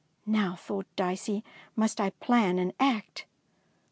"Now," thought Dicey, "must I plan and act.